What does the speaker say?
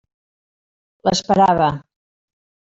L'esperava.